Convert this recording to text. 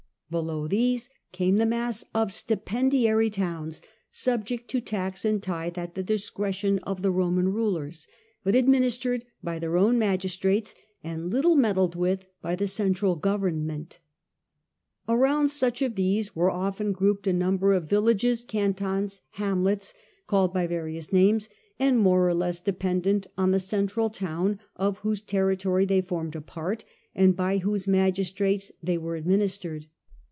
Below these came the mass of stipendiary towns, subject to tax and tithe at the discretion of the Roman rulers, but administered by their own magistrates and little meddled with by the central government. Around each of these were often grouped a number of villages^ cantons^ haynlets^ called by various names, and more or less de pendent on the central town, of whose territory they formed a part, and by whose magistrates they were ad ministered.